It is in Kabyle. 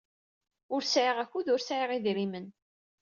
Ur sɛiɣ akud ur sɛiɣ idrimen.